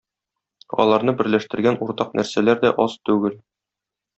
Аларны берләштергән уртак нәрсәләр дә аз түгел.